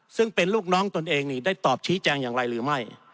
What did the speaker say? ซึ่งเป็นลูกน้องตนเองนี่ได้ตอบชี้แจงอย่างไรหรือไม่